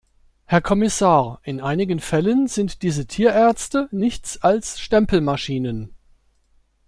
Herr Kommissar, in einigen Fällen sind diese Tierärzte nichts als Stempelmaschinen.